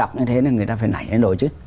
đọc như thế này người ta phải nảy lên đồi chứ